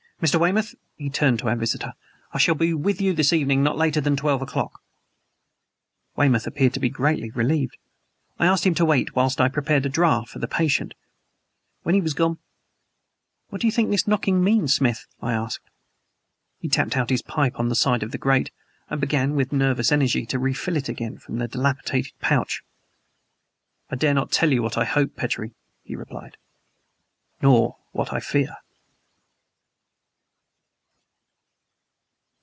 Mr. Weymouth" he turned to our visitor "I shall be with you this evening not later than twelve o'clock." Weymouth appeared to be greatly relieved. I asked him to wait whilst I prepared a draught for the patient. When he was gone: "What do you think this knocking means, Smith?" I asked. He tapped out his pipe on the side of the grate and began with nervous energy to refill it again from the dilapidated pouch. "I dare not tell you what I hope, Petrie," he replied "nor what I fear."